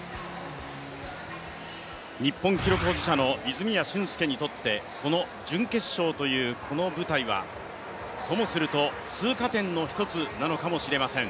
日本記録保持者の泉谷駿介にとって、準決勝というこの舞台はともすると通過点の一つなのかもしれません。